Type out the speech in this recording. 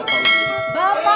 masak apa pak